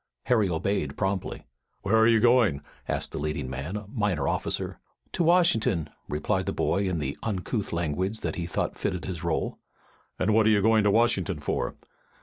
Harry obeyed promptly. "Where are you going?" asked the leading man, a minor officer. "To Washin'ton," replied the boy in the uncouth language that he thought fitted his role. "And what are you going to Washington for?"